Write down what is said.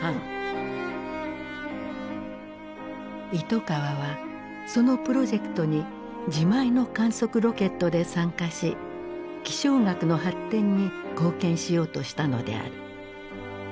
糸川はそのプロジェクトに自前の観測ロケットで参加し気象学の発展に貢献しようとしたのである。